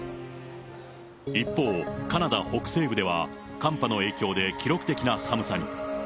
一方、カナダ北西部では、寒波の影響で記録的な寒さに。